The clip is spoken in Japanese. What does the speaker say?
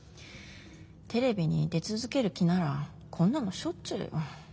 テレビに出続ける気ならこんなのしょっちゅうよ。